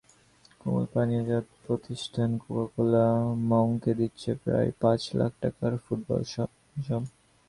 কোমল পানীয়জাত প্রতিষ্ঠান কোকাকোলা মংকে দিচ্ছে প্রায় পাঁচ লাখ টাকার ফুটবল সরঞ্জাম।